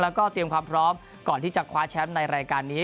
แล้วก็เตรียมความพร้อมก่อนที่จะคว้าแชมป์ในรายการนี้